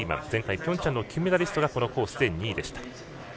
前回ピョンチャンの金メダリストがこのコース、２位でした。